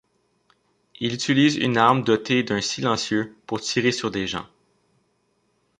Il utilise une arme dotée d'un silencieux pour tirer sur des gens.